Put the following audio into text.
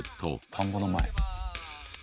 田んぼの前。